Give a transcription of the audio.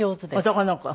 男の子？